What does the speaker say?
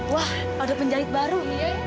wah ada penjahit baru